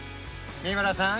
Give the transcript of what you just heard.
三村さん